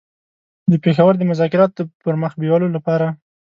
د پېښور د مذاکراتو د پر مخ بېولو لپاره.